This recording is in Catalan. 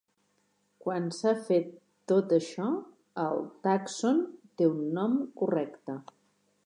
Quan s'ha fet tot això, el tàxon té un nom correcte.